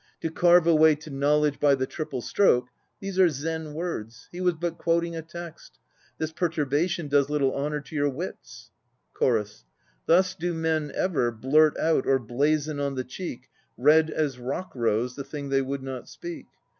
"To carve a way to knowledge by the triple stroke" ... These are Zen words; he was but quoting a text. This perturbation does little honour to your wits. CHORUS. Thus do men ever Blurt out or blazen on the cheek Red as rock rose * the thing they would not speak.